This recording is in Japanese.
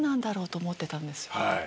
と思ってたんですよ。